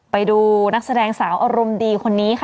ไปดูนักแสดงสาวอารมณ์ดีคนนี้ค่ะ